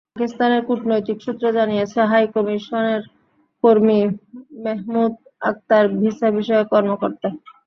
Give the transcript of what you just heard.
পাকিস্তানের কূটনৈতিক সূত্র জানিয়েছে, হাইকমিশনের কর্মী মেহমুদ আখতার ভিসা বিষয়ক কর্মকর্তা।